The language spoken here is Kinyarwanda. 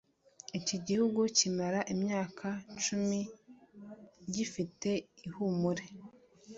igihugu kimara imyaka cumi gifite ihumure